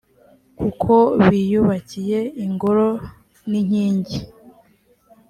kuko biyubakiye ingoro n’inkingi